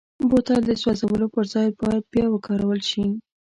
بوتل د سوزولو پر ځای باید بیا وکارول شي.